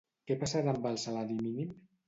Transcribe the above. Què passarà amb el salari mínim?